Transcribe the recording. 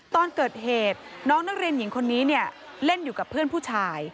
ตอนเกิดเหตุน้องนักเรียนหญิงคนนี้เนี่ยเล่นอยู่กับเพื่อนผู้ชาย